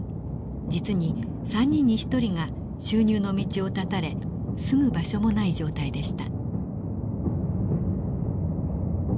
実に３人に１人が収入の道を断たれ住む場所もない状態でした。